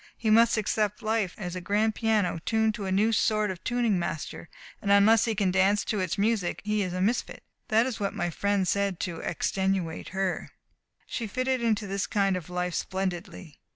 He must accept life as a Grand Piano tuned by a new sort of Tuning Master, and unless he can dance to its music he is a misfit. That is what my friend said to extenuate her. She fitted into this kind of life splendidly.